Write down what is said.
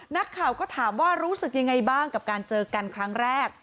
นักข่าวก็ถามว่ารู้สึกยังไงบ้างกับการเจอกันครั้งแรก